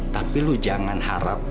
tapi lo jangan harap